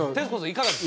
いかがです？